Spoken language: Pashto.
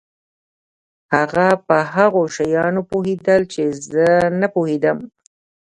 هغه په هغو شیانو پوهېده چې زه نه په پوهېدم.